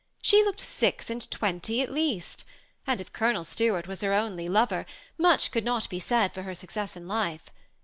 She looked six and twenty at least, and if Colonel Stuart were her only lover, much could not be said for her success in life.